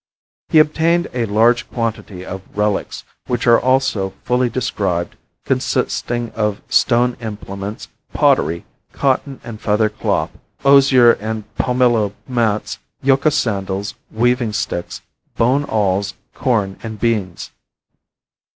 He obtained a large quantity of relics, which are also fully described, consisting of stone implements, pottery, cotton and feather cloth, osier and palmillo mats, yucca sandals, weaving sticks, bone awls, corn and beans.